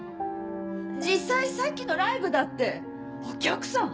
実際さっきのライブだってお客さん